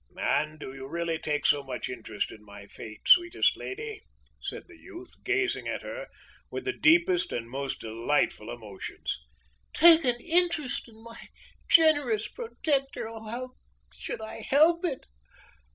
"And do you really take so much interest in my fate, sweetest lady?" said the youth, gazing at her with the deepest and most delightful emotions. "'Take an interest' in my generous protector! How should I help it?